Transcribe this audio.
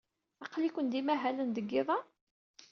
Aql-iken d imahalen deg yiḍ-a?